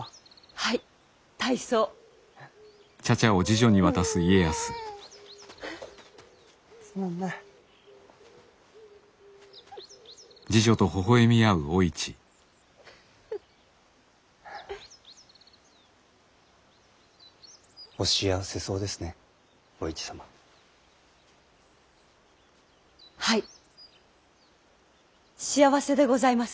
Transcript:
はい幸せでございます。